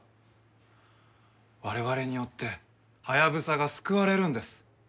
我々によってハヤブサが救われるんです。